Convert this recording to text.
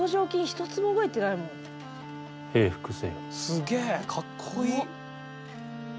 すげえかっこいい！